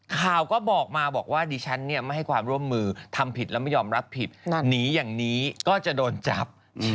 ข่าวก็บอกมาบอกว่าดิฉันเนี่ยไม่ให้ความร่วมมือทำผิดแล้วไม่ยอมรับผิดหนีอย่างนี้ก็จะโดนจับ